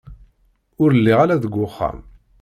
Ur lliɣ ara deg uxxam.